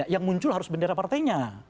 yang muncul harus bendera partainya